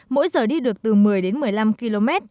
mỗi giờ đi được từ một mươi đến hai mươi km